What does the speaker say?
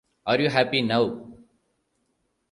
Are You Happy Now?